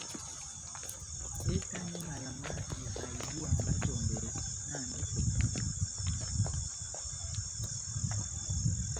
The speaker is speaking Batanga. Ehitani mala má ivaha ibúwa mba jɔmbɛ, nahandi ipɔ !